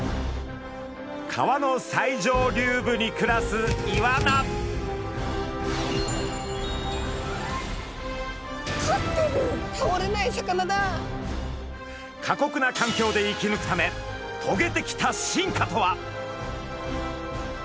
川の最上流部に暮らす過酷な環境で生きぬくためとげてきた進化とは？